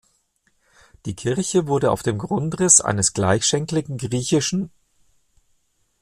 Die Kirche wurde auf dem Grundriss eines gleichschenkligen griech.